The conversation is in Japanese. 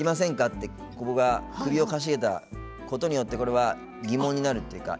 って僕が、首をかしげたことによってこれは疑問になるというか。